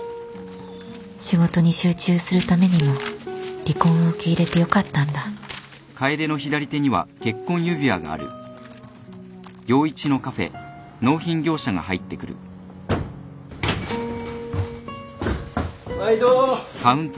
仕事に集中するためにも離婚を受け入れてよかったんだ・まいど。